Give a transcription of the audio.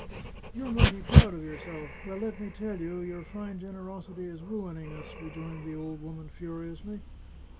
" You're mighty proud of yourself ! Well, let me tell you, your fine generosity is ruining us," rejoined the old woman furiously.